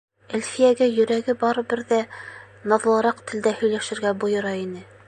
Әлфиәгә йөрәге барыбер ҙә наҙлыраҡ телдә һөйләшергә бойора ине.